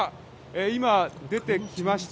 今、出てきました。